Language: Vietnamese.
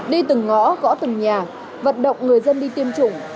đi từng ngõ gõ từng nhà vận động người dân đi tiêm chủng